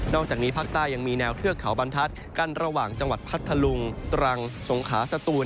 อกจากนี้ภาคใต้ยังมีแนวเทือกเขาบรรทัศน์กันระหว่างจังหวัดพัทธลุงตรังสงขาสตูน